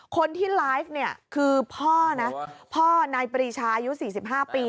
คนที่ไลฟ์เนี่ยคือพ่อนะพ่อนายปรีชายุ๔๕ปี